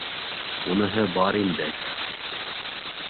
— Уныһы бар инде.